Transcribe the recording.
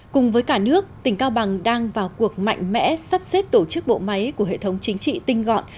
cùng với cả nước tỉnh cao bằng đang vào cuộc mạnh mẽ sắp xếp tổ chức bộ máy của hệ thống chính trị tinh gọn